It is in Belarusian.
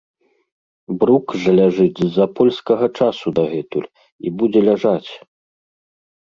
Брук жа ляжыць з-за польскага часу дагэтуль і будзе ляжаць!